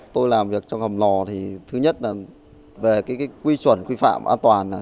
tôi làm việc trong hầm lò thứ nhất là về quy chuẩn quy phạm an toàn